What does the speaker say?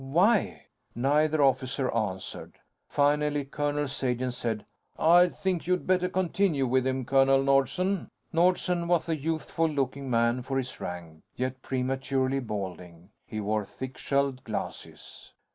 "Why?" Neither officer answered. Finally, Colonel Sagen said, "I think you'd better continue with him, Colonel Nordsen." Nordsen was a youthful looking man for his rank, yet prematurely balding. He wore thick shelled glasses.